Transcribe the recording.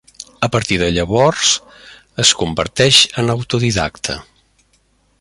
A partir de llavors es converteix en autodidacta.